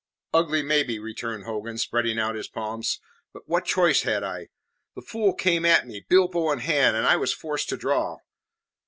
"Ugly, maybe," returned Hogan, spreading out his palms, "but what choice had I? The fool came at me, bilbo in hand, and I was forced to draw.'